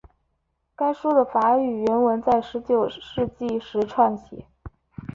该书的法语原文在十九世纪时撰写。